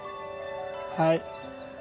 はい。